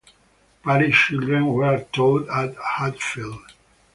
Parish children were taught at Hatfield.